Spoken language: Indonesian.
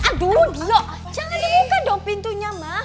aduh gila jangan di muka dong pintunya ma